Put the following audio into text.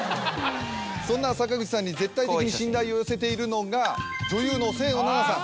そんな坂口さんに絶対的に信頼を寄せているのが女優の清野菜名さん。